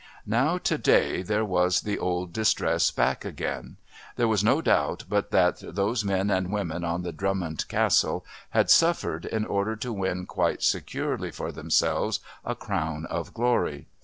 Now to day here was the old distress back again. There was no doubt but that those men and women on the Drummond Castle had suffered in order to win quite securely for themselves a crown of glory.